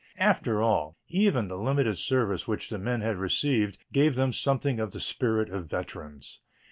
After all, even the limited service which the men had received gave them something of the spirit of veterans.